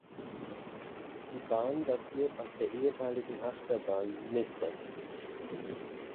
Die Bahn basiert auf der ehemaligen Achterbahn "Mr.